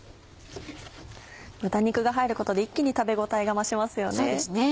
豚肉が入ることで一気に食べ応えが増しますよね。